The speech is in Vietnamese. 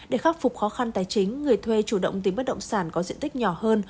để khắc phục khó khăn tài chính người thuê chủ động tìm bất động sản có diện tích nhỏ hơn